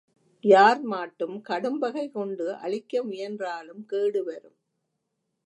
யார் மாட்டும் கடும்ப்கை கொண்டு அழிக்க முயன்றாலும் கேடு வரும்.